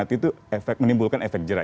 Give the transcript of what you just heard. itu menimbulkan efek jerah